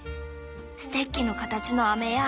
ステッキの形のアメや。